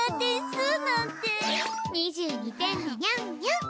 ２２点でにゃんにゃん！